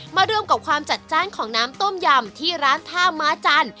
มารวมกับความจัดจ้านของน้ำต้มยำที่ร้านท่าม้าจันทร์